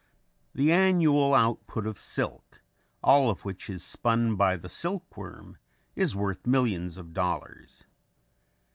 The annual output of silk, all of which is spun by the silkworm, is worth millions of dollars.